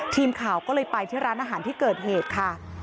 ทีมข่าวก็เลยไปที่ร้านอาหารที่เกิดเหตุค่ะ